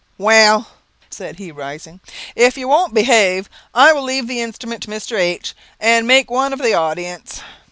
"Well," said he, rising; "if you won't behave, I will leave the instrument to Mr. H , and make one of the audience."